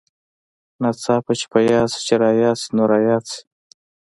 ناڅاپه چې په ياد شې چې راياد شې نو راياد شې.